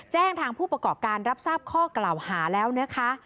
แจ้งทางผู้ประกอบการรับทราบข้อกล่าวหาแล้วนะคะ